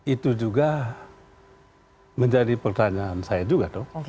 itu juga menjadi pertanyaan saya juga dong